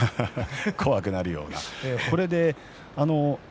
怖くなるような。